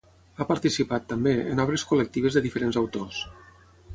Ha participat, també, en obres col·lectives de diferents autors.